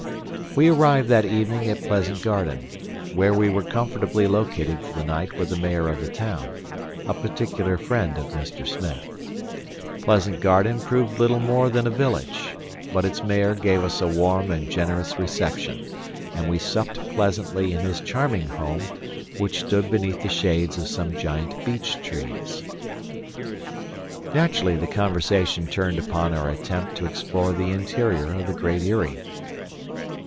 We arrived that evening at Pleasant Garden, where we were comfortably located for the night with the mayor of the town, a particular friend of Mr. Smith. Pleasant Garden proved little more than a village; but its mayor gave us a warm and generous reception, and we supped pleasantly in his charming home, which stood beneath the shades of some giant beech trees. Naturally the conversation turned upon our attempt to explore the interior of the Great Eyrie.